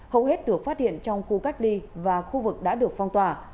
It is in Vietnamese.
hầu hết được phát hiện trong khu cách ly và khu vực đã được phong tỏa